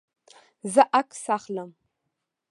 زه عکس اخلم